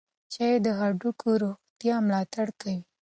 چای د هډوکو روغتیا ملاتړ کوي.